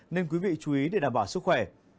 nên quý vị chú ý để đảm bảo sức khỏe